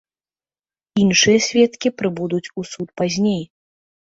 Іншыя сведкі прыбудуць у суд пазней.